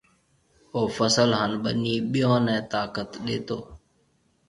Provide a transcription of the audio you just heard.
او فصل هانَ ٻنِي ٻئيون نَي طاقت ڏيتو۔